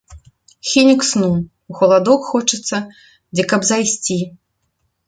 Хіне к сну, у халадок хочацца дзе каб зайсці.